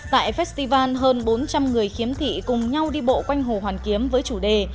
tại festival hơn bốn trăm linh người khiếm thị cùng nhau đi bộ quanh hồ hoàn kiếm với chủ đề